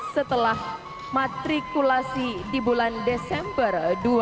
setelah matrikulasi di bulan desember dua ribu lima belas